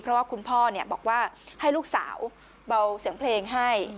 เพราะว่าคุณพ่อบอกว่าให้ลูกสาวเบาเสียงเพลงให้